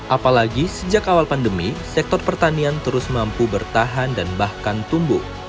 apalagi sejak awal pandemi sektor pertanian terus mampu bertahan dan bahkan tumbuh